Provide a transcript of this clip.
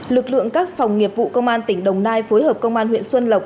lực lượng các phòng nghiệp vụ công an tỉnh đồng nai phối hợp công an huyện xuân lộc